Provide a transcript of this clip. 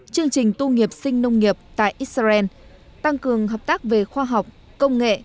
chương trình tu nghiệp sinh nông nghiệp tại israel tăng cường hợp tác về khoa học công nghệ